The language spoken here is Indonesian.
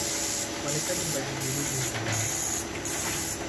Wanita berbaju biru berjalan.